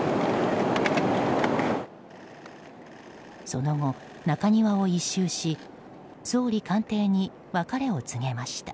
その後、中庭を１周し総理官邸に別れを告げました。